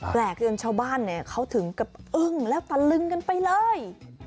แปลกจนชาวบ้านเขาถึงกับอึ้งและฟะลึงกันไปเลย